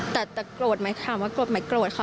แต่กรดไหมถามว่ากรดไหมกรดค่ะ